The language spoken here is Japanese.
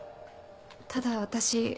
ただ私